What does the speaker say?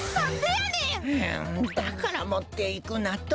はあだからもっていくなと。